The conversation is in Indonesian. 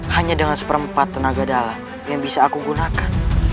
hanya dengan seperempat tenaga dalam yang bisa aku gunakan